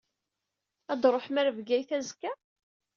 Ad tṛuḥem ɣer Bgayet azekka?